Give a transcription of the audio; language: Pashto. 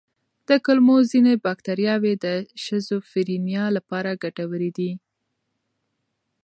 د کولمو ځینې بکتریاوې د شیزوفرینیا لپاره ګټورې دي.